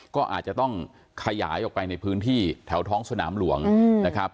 ก็อาจจะต้องขยายออกไปในพื้นที่แถวท้องสนามหลวงนะครับ